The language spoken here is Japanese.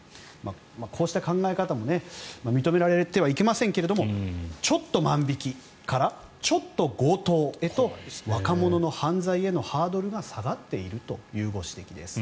こうした考え方も認められてはいけませんがちょっと万引きからちょっと強盗へと若者の犯罪へのハードルが下がっているというご指摘です。